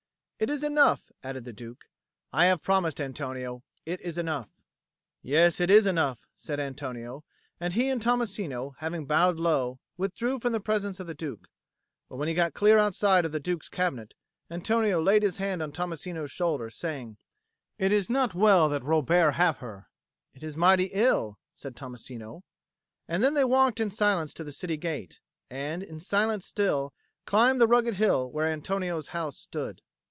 "It is enough," added the Duke. "I have promised, Antonio. It is enough." "Yes, it is enough," said Antonio; and he and Tommasino, having bowed low, withdrew from the presence of the Duke. But when he got clear outside of the Duke's cabinet, Antonio laid his hand on Tommasino's shoulder, saying, "It is not well that Robert have her." "It is mighty ill," said Tommasino. And then they walked in silence to the city gate, and, in silence still, climbed the rugged hill where Antonio's house stood.